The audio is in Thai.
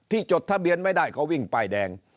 จดทะเบียนไม่ได้เขาวิ่งป้ายแดง